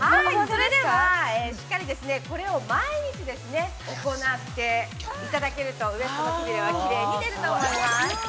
◆それでは、しっかりこれを毎日、行っていただけると、ウエストのくびれはきれいに出ると思います。